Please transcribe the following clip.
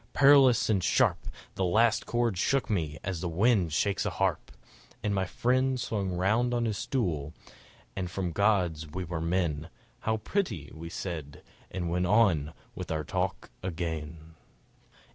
Perilous and sharp The last chord shook me as wind shakes a harp! ... And my friend swung round on his stool, and from gods we were men, "How pretty!" we said; and went on with our talk again.